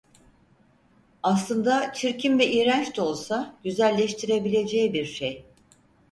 Aslında çirkin ve iğrenç de olsa, güzelleştirebileceği bir şey…